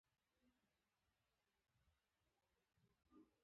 لاستي یې لوړې خواته تر باران لاندې جګ ولاړ و.